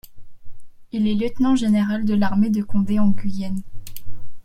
Il est lieutenant-général de l'armée de Condé en Guyenne.